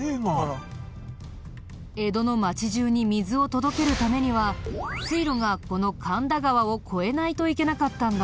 江戸の町中に水を届けるためには水路がこの神田川を越えないといけなかったんだ。